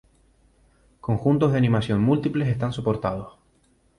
Conjuntos de animación múltiples están soportados.